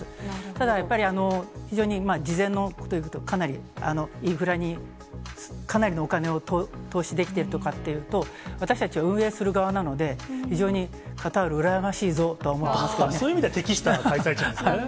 ただ、やっぱり、非常に事前の、かなりインフラにかなりのお金を投資できてるとかっていうと、私たち、運営する側なので、非常にカタール、羨ましいぞとはそういう意味では適した開催地なんですね。